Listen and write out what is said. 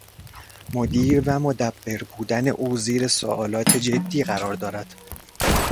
مدیر و مدبّر بودن او زیر سوالات جدی قرار دارد